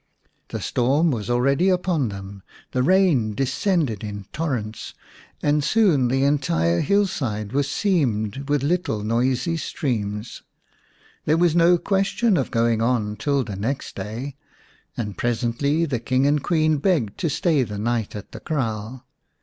The storm was already upon them ; the rain descended in torrents, and soon the entire hillside was seamed with little noisy streams. There was no question of going on till the next day, and presently the King and Queen begged to stay the night at the kraal.